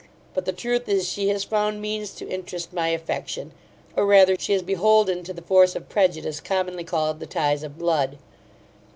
But, the truth is, she has found means to interest my affection; or, rather, she is beholden to the force of prejudice, commonly called the ties of blood.